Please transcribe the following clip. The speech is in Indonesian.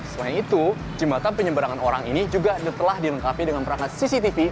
selain itu jembatan penyeberangan orang ini juga telah dilengkapi dengan perangkat cctv